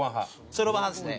そろばん派ですね。